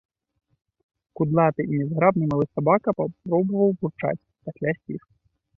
Кудлаты і нязграбны малы сабака папробаваў бурчаць, пасля сціх.